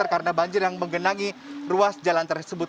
karena banjir yang menggenangi ruas jalan tersebut